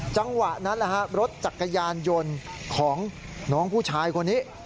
จังหวะนั้นรถจักรยานยนต์ของน้องผู้ชายคนนี้